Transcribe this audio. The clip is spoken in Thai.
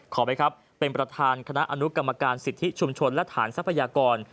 ไปครับเป็นประธานคณะอนุกรรมการสิทธิชุมชนและฐานทรัพยากร